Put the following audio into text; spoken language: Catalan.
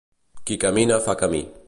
Qui camina fa camí.